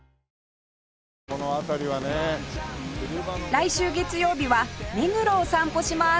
来週月曜日は目黒を散歩します